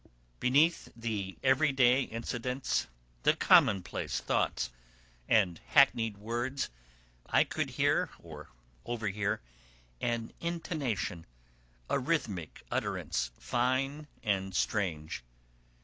Beneath the everyday incidents, the commonplace thoughts and hackneyed words, I could hear, or overhear, an intonation, a rhythmic utterance fine and strange.